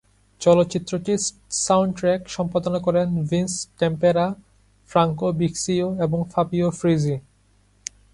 চলচ্চিত্রটির সাউন্ডট্র্যাক সম্পাদনা করেন ভিন্স টেমপেরা, ফ্রাঙ্কো বিক্সিও এবং ফাবিও ফ্রিজি।